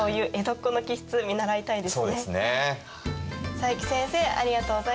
佐伯先生ありがとうございました。